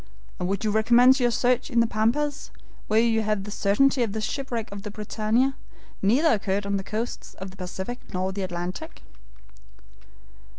"And would you recommence your search in the Pampas, when you have the certainty that the shipwreck of the BRITANNIA neither occurred on the coasts of the Pacific nor the Atlantic?"